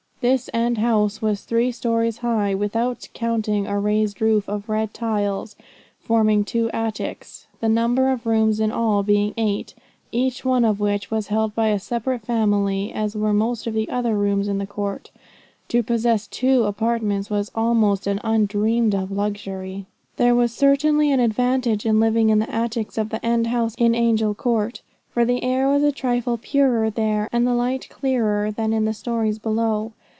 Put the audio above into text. This end house was three stories high, without counting a raised roof of red tiles, forming two attics; the number of rooms in all being eight, each one of which was held by a separate family, as were most of the other rooms in the court. To possess two apartments was almost an undreamed of luxury. There was certainly an advantage in living in the attics of the end house in Angel Court, for the air was a trifle purer there and the light clearer than in the stories below.